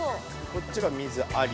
こっちが水あり。